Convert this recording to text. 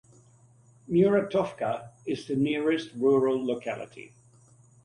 Muratovka is the nearest rural locality.